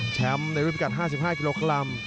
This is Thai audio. แชมป์ในรุ่นพิการ๕๕กิโลกรัม